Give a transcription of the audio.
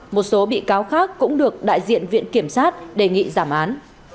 một số bị cáo khác cũng được đại diện viện kiểm sát đề nghị giảm án